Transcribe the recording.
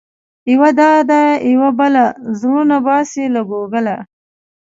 یوه دا ده يوه بله، زړونه باسې له ګوګله